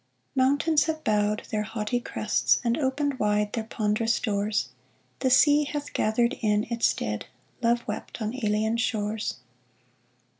Mountains have bowed their haughty crests, And opened wide their ponderous doors ; The sea hath gathered in its dead. Love wept on alien shores.